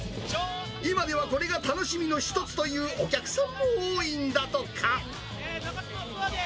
今ではこれが楽しみの一つというお客さんも多いんだとか。